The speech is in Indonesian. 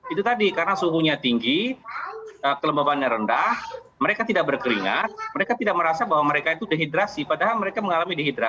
itu tadi karena suhunya tinggi kelembabannya rendah mereka tidak berkeringat mereka tidak merasa bahwa mereka itu dehidrasi padahal mereka mengalami dehidrasi